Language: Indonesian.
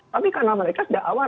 tapi karena mereka sudah awal